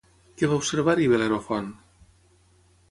Què va observar-hi Bel·lerofont?